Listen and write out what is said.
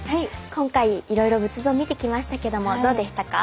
今回いろいろ仏像を見てきましたけどもどうでしたか？